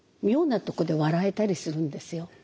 妙なとこで笑えたりするんですよ。